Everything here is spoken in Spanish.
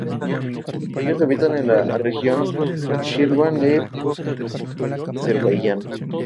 Ellos habitan en la región Shirvan de Azerbaiyán.